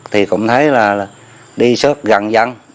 thì cũng thấy là đi sớt gần gần